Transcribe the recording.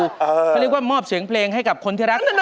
เขาเรียกว่ามอบเสียงเพลงให้กับคนที่รัก